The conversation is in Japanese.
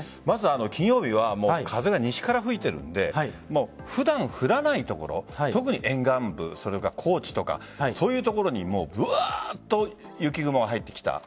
金曜日は風が西から吹いているので普段降らない所、特に沿岸部高知とかそういうところに雪雲が入ってきた。